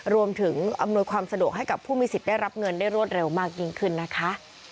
รวมถึงอำนวยความสะดวกให้กับผู้มีสิทธิ์ได้รับเงินได้รวดเร็วมากยิ่งขึ้นนะคะ